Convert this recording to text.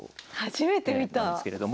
初めて見た！